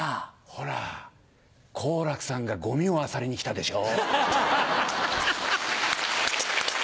ほら好楽さんがゴミをあさりに来たでしょう？